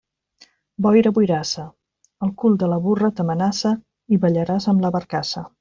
Boira boirassa, el cul de la burra t'amenaça i ballaràs amb la barcassa.